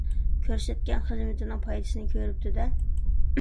كۆرسەتكەن خىزمىتىنىڭ پايدىسىنى كۆرۈپتۇ-دە.